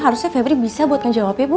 harusnya febri bisa buat ngejawab ya bu